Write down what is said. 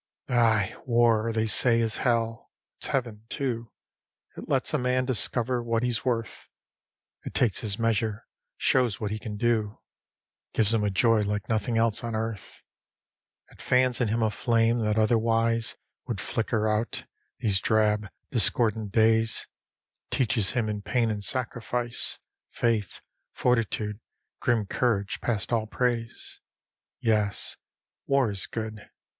Ay, War, they say, is hell; it's heaven, too. It lets a man discover what he's worth. It takes his measure, shows what he can do, Gives him a joy like nothing else on earth. It fans in him a flame that otherwise Would flicker out, these drab, discordant days; It teaches him in pain and sacrifice Faith, fortitude, grim courage past all praise. Yes, War is good.